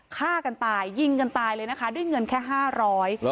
ฆ่ากันตายยิงกันตายเลยนะคะด้วยเงินแค่ห้าร้อย